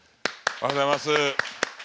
おはようございます。